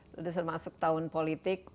sudah masuk tahun politik